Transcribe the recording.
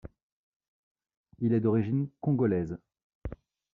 Il est d'origine congolaise.